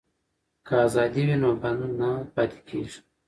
که ازادي وي نو بند نه پاتې کیږي.